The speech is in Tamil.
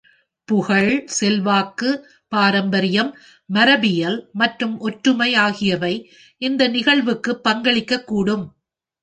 புகழ், செல்வாக்கு, பாரம்பரியம், மரபியல் மற்றும் ஒற்றுமை ஆகியவை இந்த நிகழ்வுக்கு பங்களிக்கக்கூடும்.